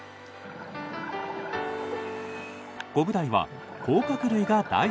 コブダイは甲殻類が大好き。